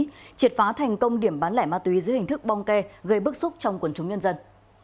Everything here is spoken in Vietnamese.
mua bán trái phép chất ma túy triệt phá thành công điểm bán lẻ ma túy dưới hình thức bong kê gây bức xúc trong quần chúng nhân dân